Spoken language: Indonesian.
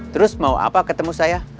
terus mau apa ketemu saya